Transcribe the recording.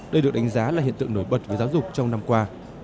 đây được đánh giá là hiện tượng nổi bật với giáo dục trong năm qua